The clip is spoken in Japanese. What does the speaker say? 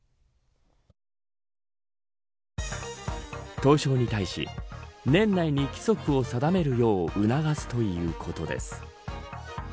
東証に対し、年内に規則を定めるよう促すということです。